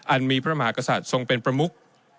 มีพระมหากษัตริย์ทรงเป็นประมุก